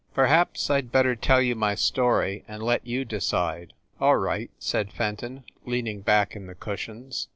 Perhaps I d better tell you my story and let you decide." "All right," said Fenton, leaning back in the cushions.